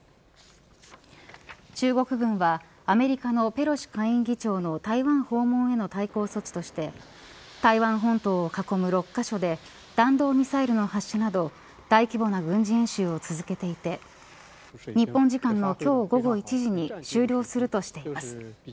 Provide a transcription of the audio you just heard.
中国軍はアメリカのペロシ下院議長の台湾訪問への対抗措置として台湾本島を囲む６カ所で弾道ミサイルの発射など大規模な軍事演習を続けていて日本時間の今日、午後１時に終了するとしています。